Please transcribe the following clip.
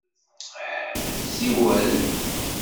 Siwel!